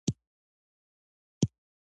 داسې فکر ونه کړې چې دا د پیغمبر وطن دی.